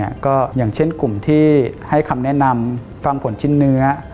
อย่างเช่นกลุ่มที่ให้คำแนะนำฟังผลชิ้นเนื้อ